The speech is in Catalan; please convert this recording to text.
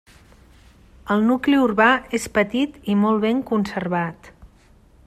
El nucli urbà és petit i molt ben conservat.